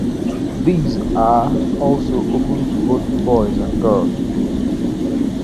These are also open to both boys and girls.